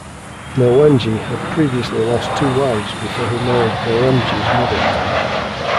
Merwanji had previously lost two wives before he married Behramji's mother.